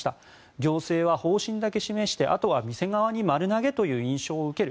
行政は方針だけ示してあとは店側に丸投げという印象を受ける。